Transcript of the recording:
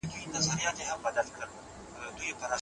څوک په هر ډول سختو شرایطو کي خپله انګېزه ساتلی سي؟